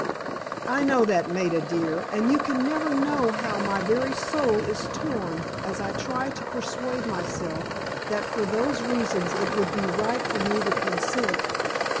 "I know that, Maida dear, and you can never know how my very soul is torn as I try to persuade myself that for those reasons it would be right for me to consent.